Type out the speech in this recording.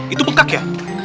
itu bengkak ya